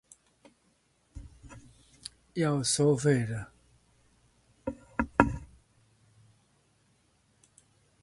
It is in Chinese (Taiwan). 之後就說要收費了